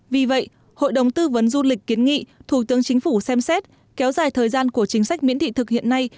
vì vậy hội đồng tư vấn du lịch kiến nghị thủ tướng chính phủ xem xét kéo dài thời gian của chính sách miễn thị thực hiện nay